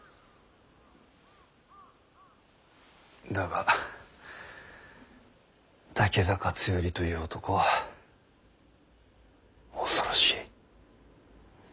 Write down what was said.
だが武田勝頼という男は恐ろしい。